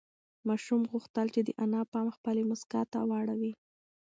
ماشوم غوښتل چې د انا پام خپلې مسکا ته واړوي.